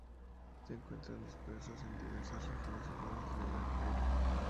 Se encuentran dispersos en diversas regiones urbanas del Gran Cairo.